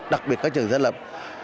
đặc biệt các trường dân lập